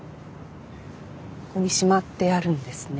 ここにしまってあるんですね。